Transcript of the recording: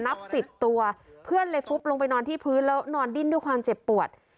นับสิบตัวเพื่อนเลยฟุบลงไปนอนที่พื้นแล้วนอนดิ้นด้วยความเจ็บปวด